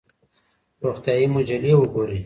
روغتیایي مجلې وګورئ.